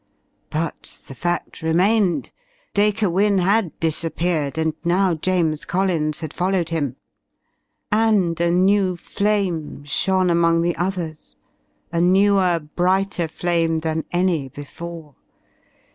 But the fact remained. Dacre Wynne had disappeared, and now James Collins had followed him. And a new flame shone among the others, a newer, brighter flame than any before.